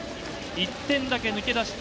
１点だけ抜け出しました。